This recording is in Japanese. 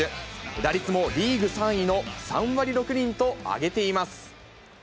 打率もリーグ３位の３割６厘と上げています。